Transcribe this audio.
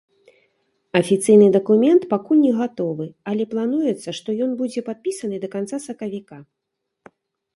Афіцыйны дакумент пакуль не гатовы, але плануецца, што ён будзе падпісаны да канца сакавіка.